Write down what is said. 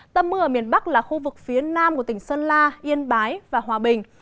tâm mưa ở miền bắc là khu vực phía nam của tỉnh sơn la yên bái và hòa bình